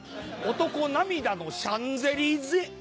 男涙のシャンゼリゼ。